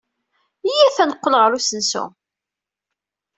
Iyyat ad neqqel ɣer usensu.